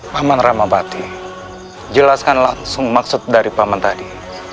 paman ramabati jelaskan langsung maksud dari paman tadi